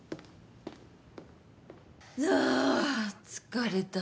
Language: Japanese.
あー疲れた。